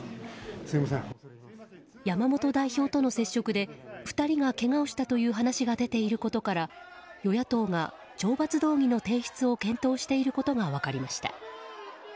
山本代表との接触で２人がけがをしたという話が出ていることから与野党が懲罰動議の提出を検討していることが分かりました。